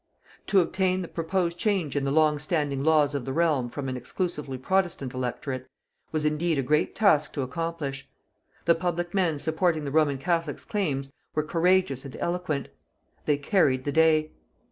To obtain the proposed change in the long standing laws of the realm from an exclusively Protestant electorate, was indeed a great task to accomplish. The public men supporting the Roman Catholics' claims were courageous and eloquent. They carried the day.